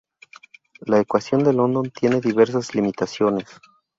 La ecuación de London tiene diversas limitaciones.